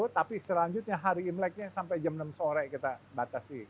tapi selanjutnya hari imleknya sampai jam enam sore kita batasi